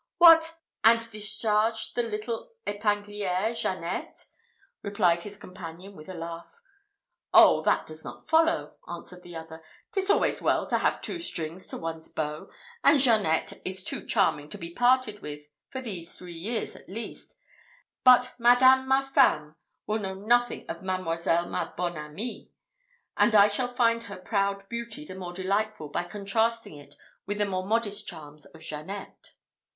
"What! and discharge the little Epingliere, Jeannette?" asked his companion, with a laugh. "Oh, that does not follow," answered the other; "'tis always well to have two strings to one's bow; and Jeannette is too charming to be parted with for these three years at least: but madame ma femme will know nothing of mademoiselle ma bonne amie, and I shall find her proud beauty the more delightful by contrasting it with the more modest charms of Jeannette."